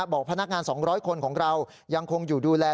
บอกพนักงาน๒๐๐คนของเรายังคงอยู่ดูแล